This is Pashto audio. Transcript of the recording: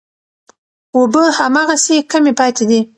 اوبه هماغسې کمې پاتې دي.